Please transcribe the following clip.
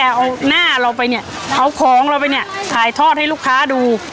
แต่เอาหน้าเราไปเนี่ยเอาของเราไปเนี่ยถ่ายทอดให้ลูกค้าดู